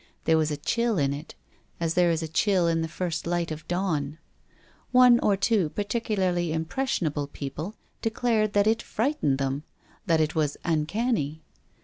There was a chill in it, as there is a chill in the first light of dawn. One or two particularly im pressionable people declared that it frightened them, that it was uncanny.